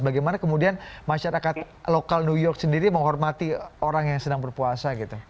bagaimana kemudian masyarakat lokal new york sendiri menghormati orang yang sedang berpuasa gitu